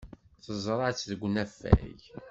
Teẓra-tt deg unafag.